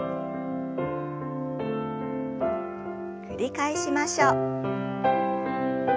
繰り返しましょう。